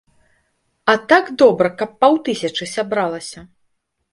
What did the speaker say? А так добра, каб паўтысячы сабралася.